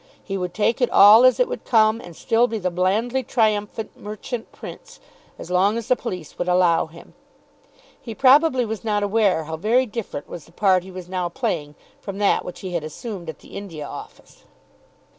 He would take it all as it would come and still be the blandly triumphant Merchant Prince, as long as the police would allow him. He probably was not aware how very different was the part he was now playing from that which he had assumed at the India Office.